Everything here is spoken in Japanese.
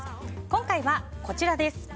今回は、こちらです。